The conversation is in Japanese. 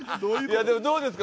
でもどうですか？